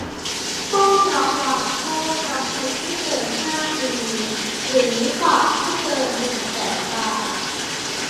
ต้องระวางโทษจำคุกไม่เกินห้าปี หรือปรับไม่เกินหนึ่งแสนบาท